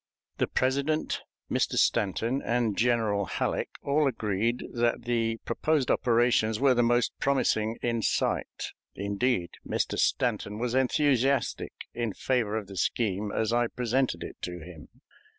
The President, Mr. Stanton, and General Halleck all agreed that the proposed operations were the most promising in sight; indeed, Mr. Stanton was enthusiastic in favor of the scheme as I presented it to him.